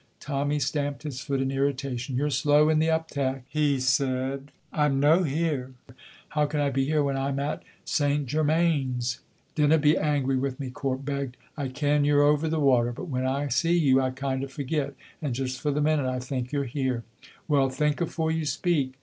Tommy stamped his foot in irritation. "You're slow in the uptak," he said. "I'm no here. How can I be here when I'm at St. Germains?" "Dinna be angry wi' me," Corp begged. "I ken you're ower the water, but when I see you, I kind of forget; and just for the minute I think you're here." "Well, think afore you speak."